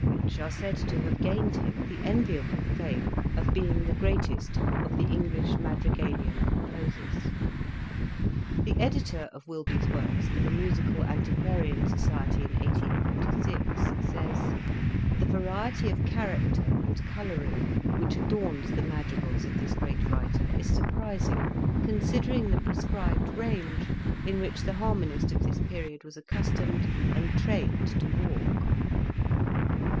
which are said to have gained him the envi able fame of being the greatest of the English madrigalian composers. The Editor of Wilbye's works for the Musical Anti quarian Society in 1846, says: "The variety of character and colouring which adorns the madrigals of this great writer is surprising, considering the prescribed range in which the harmonist of this period was accustomed and trained to walk."